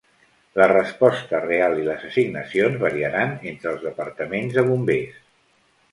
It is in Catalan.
La resposta real i les assignacions variaran entre els departaments de bombers.